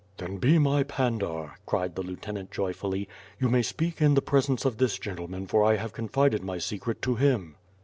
"Then be my Pandar," cried the lieutenant joyfully. "You may speak in the presence of this gentleman for 1 have con fided my secret to him."